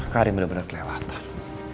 karim bener bener kelewatan